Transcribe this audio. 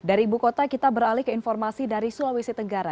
dari ibu kota kita beralih ke informasi dari sulawesi tenggara